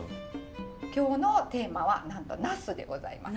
今日のテーマはなんとナスでございます。